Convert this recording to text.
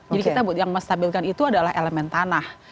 jadi kita yang menstabilkan itu adalah elemen tanah